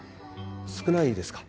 少ないですか？